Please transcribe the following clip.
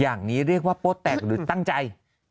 อย่างนี้เรียกว่าโป๊แตกหรือตั้งใจ